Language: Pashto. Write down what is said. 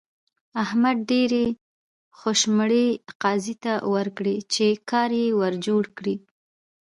احمد ډېرې خوشمړې قاضي ته ورکړې چې کار يې ور جوړ کړي.